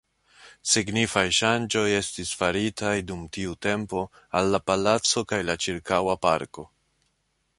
Signifaj ŝanĝoj estis faritaj dum tiu tempo al la palaco kaj la ĉirkaŭa parko.